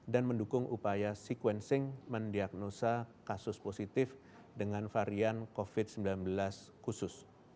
dan mendukung upaya sequencing mendiagnosa kasus positif dengan varian covid sembilan belas khusus